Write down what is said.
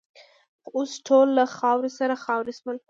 خو اوس ټول له خاورو سره خاوروې شول.